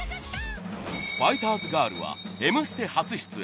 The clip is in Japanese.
ファイターズガールは『Ｍステ』初出演。